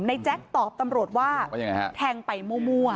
ในแจ็คตอบตำรวจว่าแทงไปมั่ว